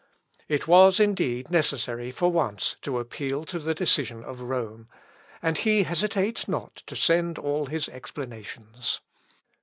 It was, indeed, necessary for once to appeal to the decision of Rome; and he hesitates not to send all his explanations.